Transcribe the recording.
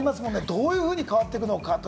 どういうふうに変わっていくのか。